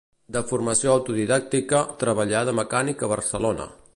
De formació autodidàctica, treballà de mecànic a Barcelona.